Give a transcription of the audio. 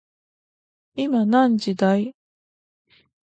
今何時だい